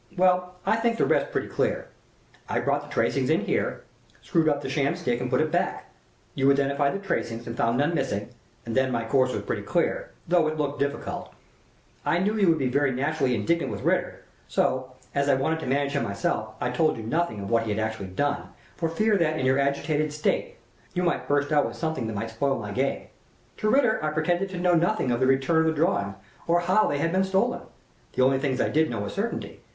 Well, I think the rest pretty clear. I brought the tracings in here, screwed up the sham stick and put it back. You identified the tracings and found none missing, and then my course was pretty clear, though it looked difficult. I knew you would be very naturally indignant with Ritter, so, as I wanted to manage him myself, I told you nothing of what he had actually done, for fear that, in your agitated state, you might burst out with something that would spoil my game. To Ritter I pretended to know nothing of the return of the drawings or how they had been stolen the only things I did know with certainty.